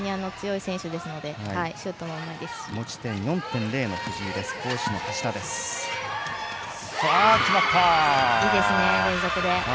いいですね、連続で。